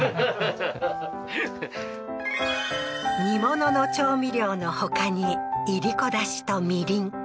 煮物の調味料のほかにいりこ出汁とみりん